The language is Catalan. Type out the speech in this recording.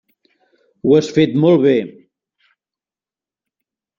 Ho has fet molt bé.